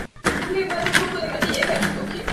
Vive en el East Village neoyorquino.